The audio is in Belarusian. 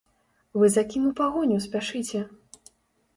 Вы за кім у пагоню спяшыце?